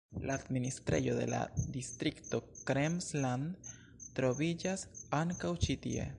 La administrejo de la distrikto Krems-Land troviĝas ankaŭ ĉi tie.